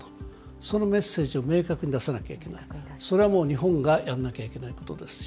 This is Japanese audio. そのメッセージを明確に出さなきゃいけない、それはもう日本がやんなきゃいけないことですし。